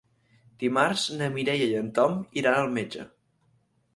Dimarts na Mireia i en Tom iran al metge.